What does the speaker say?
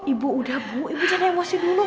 ibu udah bu ibu jangan emosi dulu